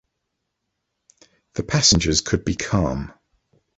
The passengers could be calm.